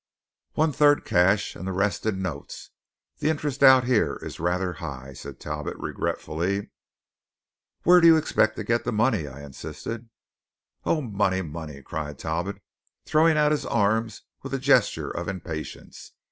"One third cash, and the rest in notes. The interest out here is rather high," said Talbot regretfully. "Where do you expect to get the money?" I insisted. "Oh, money! money!" cried Talbot, throwing out his arms with a gesture of impatience.